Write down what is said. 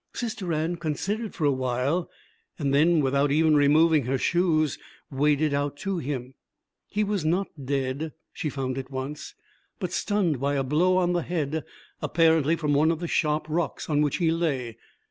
Sister Anne considered for a while and then without even removing her shoes, waded out to him. He was not dead, she found at once, but stunned by a blow on the head, apparently from one of the sharp rocks on which he lay.